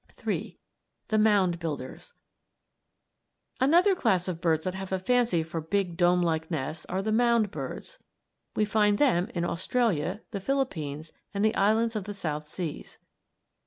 Chapter VI. III. THE MOUND BUILDERS Another class of birds that have a fancy for big dome like nests are the mound birds. We find them in Australia, the Philippines, and the islands of the South Seas.